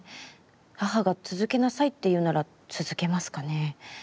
母が続けなさいって言うなら続けますかね。